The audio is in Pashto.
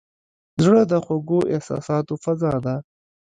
زړه د خوږو احساساتو فضا ده.